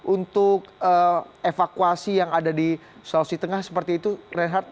untuk evakuasi yang ada di sulawesi tengah seperti itu reinhardt